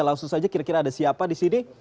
langsung saja kira kira ada siapa di sini